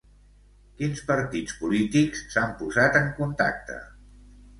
Quins partits polítics s'han posat en contacte?